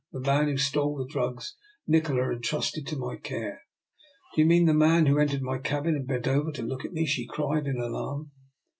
The man who stole the drugs Nikola entrusted to my care." Do you mean the man who entered my cabin and bent over to look at me? " she cried in alarm.